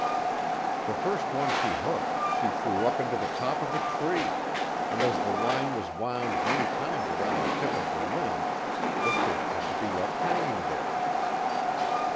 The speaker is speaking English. The first one she hooked she threw up into the top of a tree, and as the line was wound many times around the tip of the limb the fish had to be left hanging there.